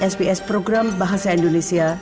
sps program bahasa indonesia